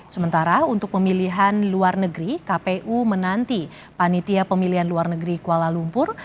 sementara untuk pemilihan luar negeri kpu menanti panitia pemilihan luar negeri kuala lumpur